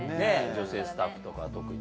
女性スタッフとか特に。